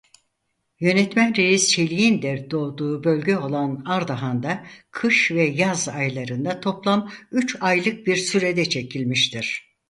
Yönetmen Reis Çelik'in de doğduğu bölge olan Ardahan'da kış ve yaz aylarında toplam üç aylık bir sürede çekilmiştir.